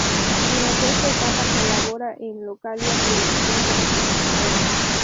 Durante esta etapa colabora en Localia Televisión como presentadora.